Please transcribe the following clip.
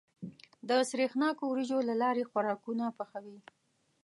د سرېښناکو وريجو له لارې خوراکونه پخوي.